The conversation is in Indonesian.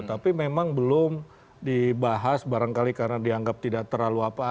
tapi memang belum dibahas barangkali karena dianggap tidak terlalu apa